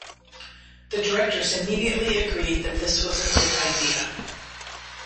The directors immediately agreed that this was a good idea.